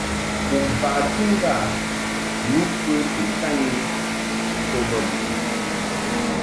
U bati ŋgâ yǔ fəti ŋkanyin to bə mɨ?